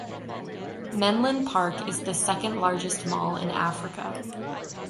Menlyn Park is the second largest mall in Africa.